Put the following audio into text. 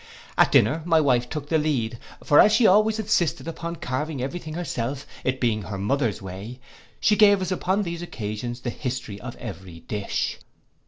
At dinner my wife took the lead; for as she always insisted upon carving every thing herself, it being her mother's way, she gave us upon these occasions the history of every dish.